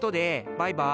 バイバイ！